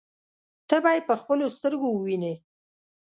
ته به يې په خپلو سترګو ووینې.